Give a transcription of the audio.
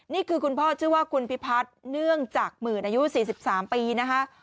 นี่คือคุณพ่อชื่อว่าคุณพิพัฒน์เนื่องจากหมื่นอายุ๔๓ปีนะคะ